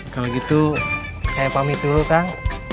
kalau gitu saya pamit dulu kang